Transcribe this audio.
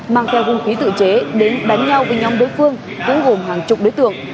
mang theo hung khí tự chế đến đánh nhau với nhóm đối phương cũng gồm hàng chục đối tượng